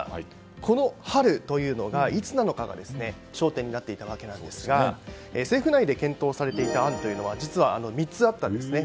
この春というのが、いつなのかが焦点になっていたわけですが政府内で検討されていた案は実は３つあったんですね。